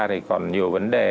thì còn nhiều vấn đề